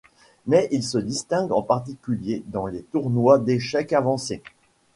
Mais il se distingue en particulier dans les tournois d'échecs avancés.